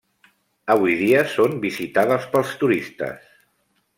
Avui dia són visitades pels turistes.